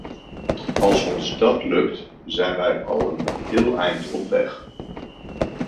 Als ons dat lukt, zijn wij al een heel eind op weg.